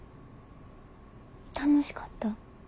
楽しかった？